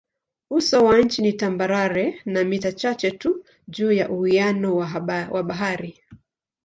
Uso wa nchi ni tambarare na mita chache tu juu ya uwiano wa bahari.